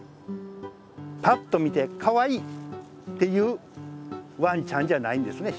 パッと見てかわいいっていうワンちゃんじゃないんですね